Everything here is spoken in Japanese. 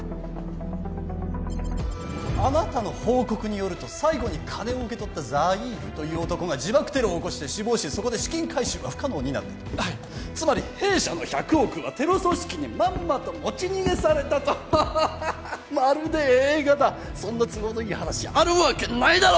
あなたの報告によると最後に金を受け取ったザイールという男が自爆テロを起こして死亡しそこで資金回収が不可能になったとはいつまり弊社の１００億はテロ組織にまんまと持ち逃げされたとハハハハまるで映画だそんな都合のいい話あるわけないだろ！